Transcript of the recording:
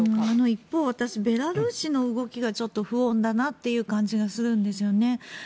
一方、私ベラルーシの動きが不穏だなという感じがするんですよね。